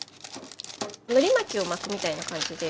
のり巻きを巻くみたいな感じで。